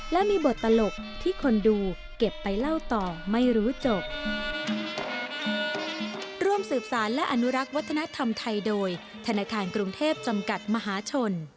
และมีบทตลกที่คนดูเก็บไปเล่าต่อไม่รู้จบมหาชน